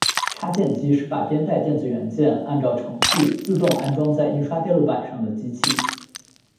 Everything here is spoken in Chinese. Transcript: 插件机是把编带电子元器件按照程序自动安装在印刷电路板上的机器。